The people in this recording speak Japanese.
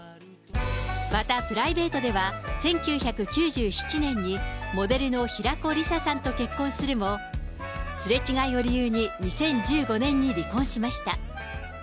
またプライベートでは、１９９７年にモデルの平子理沙さんと結婚するも、すれ違いを理由に２０１５年に離婚しました。